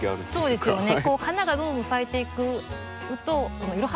そうですね。